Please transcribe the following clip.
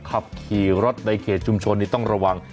ขับขี่รถในเขตชุมชนนี่ต้องระวัง